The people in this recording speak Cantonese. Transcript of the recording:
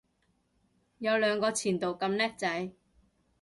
有兩個前度咁叻仔